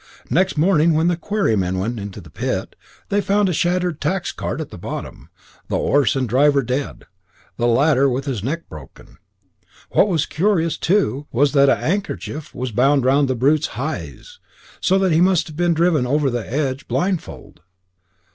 Next, morning, when the quarrymen went to the pit, they found a shattered tax cart at the bottom, and the 'orse and driver dead, the latter with his neck broken. What was curious, too, was that an 'andkerchief was bound round the brute's heyes, so that he must have been driven over the edge blindfold.